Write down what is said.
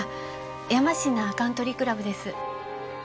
山科カントリークラブです。